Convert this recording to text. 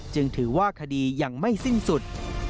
จึงถือว่าคดียังไม่สิ้นสุด